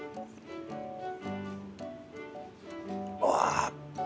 うわ。